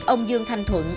ông dương thanh thuận